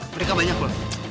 mereka banyak loh